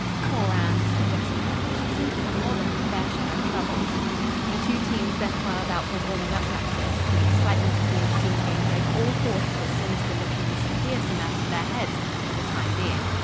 "Poor Anne!" sighed Jessica. "She seems to have more than her fair share of troubles." The two teams then filed out for warming up practice; the excitement of the ensuing game drove all thought of the sinister looking Mr. Pierson out of their heads, for the time being.